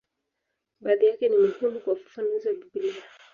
Baadhi yake ni muhimu kwa ufafanuzi wa Biblia.